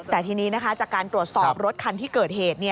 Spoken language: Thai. แต่ทีนี้จากการตรวจสอบรถคันที่เกิดเหตุ